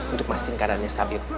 untuk pastikan keadaannya stabil